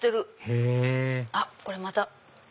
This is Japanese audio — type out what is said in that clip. へぇあっこれまた。